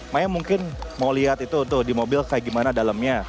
maya mungkin mau lihat itu tuh di mobil kayak gimana dalamnya